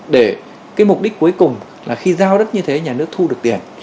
để cái mục đích cuối cùng là khi giao đất như thế nhà nước thu được tiền